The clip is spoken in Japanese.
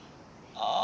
ああ。